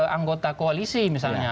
anggota koalisi misalnya